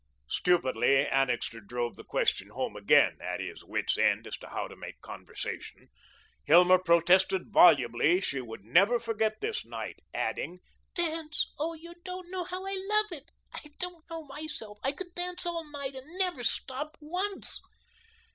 Stupidly Annixter drove the question home again, at his wits' end as to how to make conversation. Hilma protested volubly she would never forget this night, adding: "Dance! Oh, you don't know how I love it! I didn't know myself. I could dance all night and never stop once!"